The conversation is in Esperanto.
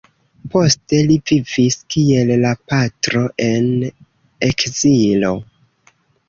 Poste li vivis, kiel la patro, en ekzilo.